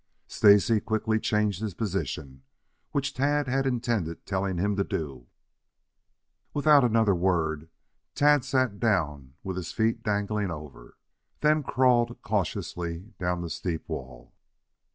Stacy quickly changed his position, which Tad had intended telling him to do. Without another word Tad sat down with his feet dangling over, then crawled cautiously down the steep wall.